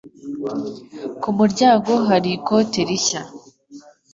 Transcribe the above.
Ku muryango hari ikote rishya.